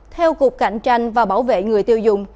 theo cục cạnh tranh và bảo vệ người tiêu dùng